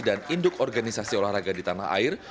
dan induk organisasi olahraga di tanah air